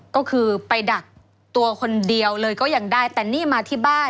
ก็คือไปดักตัวคนเดียวเลยก็ยังได้แต่นี่มาที่บ้าน